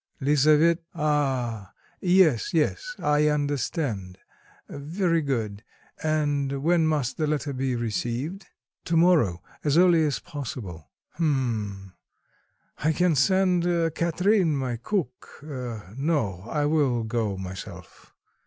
"Lisavet " "Ah... yes, yes, I understand. Very good. And when must the letter be received?" "To morrow, as early as possible." "H'm. I can send Katrine, my cook. No, I will go myself."